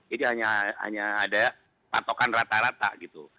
jadi hanya ada patokan rata rata gitu